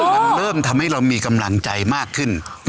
มันเริ่มทำให้เรามีกำลังใจมากขึ้น